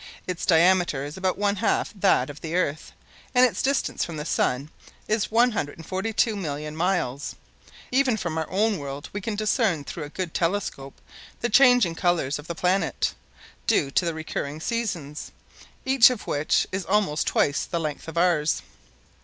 Its diameter is about one half that of the Earth and its distance from the Sun is 142,000,000 miles. Even from our own world we can discern through a good telescope the changing colors of the planet, due to the recurring seasons, each one of which is almost twice the length of ours.